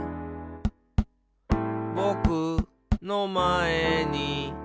「ぼくのまえに」